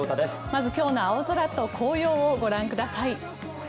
まず今日の青空と紅葉をご覧ください。